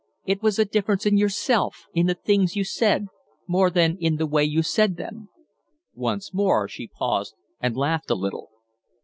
"It was a difference in yourself, in the things you said, more than in the way you said them." Once more she paused and laughed a little.